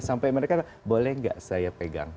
sampai mereka boleh nggak saya pegang